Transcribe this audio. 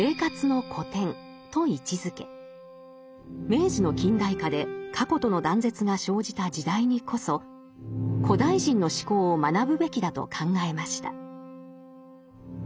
明治の近代化で過去との断絶が生じた時代にこそ古代人の思考を学ぶべきだと考えました。